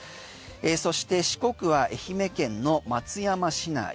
そして四国は愛媛県の松山市内。